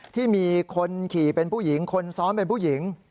ที่มีคนขี่เป็นผู้หญิงคนซ้อนเป็นผู้หญิง